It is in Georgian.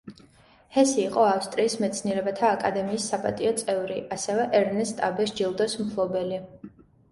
ჰესი იყო ავსტრიის მეცნიერებათა აკადემიის საპატიო წევრი, ასევე ერნესტ აბეს ჯილდოს მფლობელი.